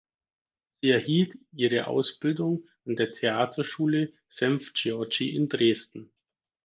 Sie erhielt ihre Ausbildung an der Theaterschule Senff-Georgi in Dresden.